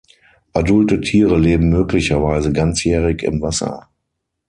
Adulte Tiere leben möglicherweise ganzjährig im Wasser.